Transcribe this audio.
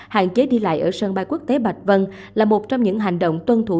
hạn chế đi lại ở sân bay quốc tế bạch vân là một trong những hành động tuân thủ